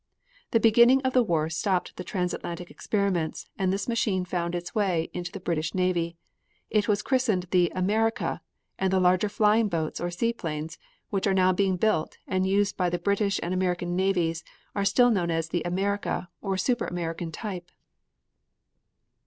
The beginning of the war stopped the transatlantic experiments and this machine found its way into the British navy. It was christened the "America," and the larger flying boats or seaplanes which are now being built and used by the British and American navies are still known as the "America" or super American type.